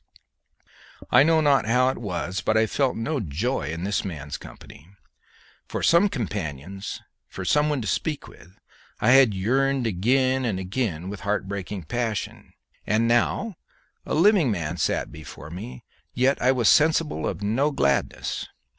I know not how it was, but I felt no joy in this man's company. For some companion, for some one to speak with, I had yearned again and again with heart breaking passion; and now a living man sat before me, yet I was sensible of no gladness.